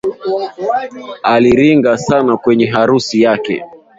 Aliringa sana kweneye harusi yake